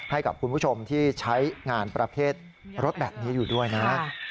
ให้กับคุณผู้ชมที่ใช้งานประเภทรถแบบนี้อยู่ด้วยนะ